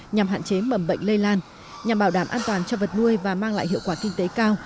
nhằm hạn chế mầm bệnh lây lan nhằm bảo đảm an toàn cho vật nuôi và mang lại hiệu quả kinh tế cao